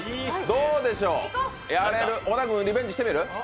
どうでしょう、小田君、リベンジしてみる？